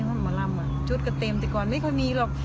ใช่มีหมอลำเตนจุดเตนแต่ก่อนไม่ค่อยมีหรอก